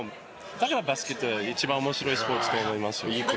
だからバスケットは一番面白いスポーツと思います。